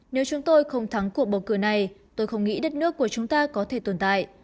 nếu chúng tôi không thắng cuộc bầu cử này tôi không nghĩ đất nước của chúng ta có thể tồn tại